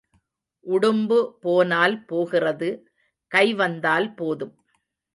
உடும்பு போனால் போகிறது கை வந்தால் போதும்.